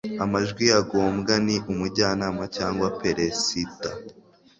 amajwi ya ngombwa ni umujyanama cyangwa peresida